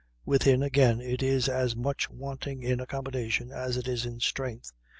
Within, again, it is as much wanting in accommodation as it is in strength.